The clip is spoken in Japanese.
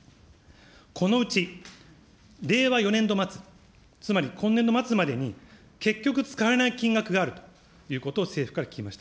このうち、令和４年度末、つまり今年度末までに結局使われない金額があるということを政府から聞きました。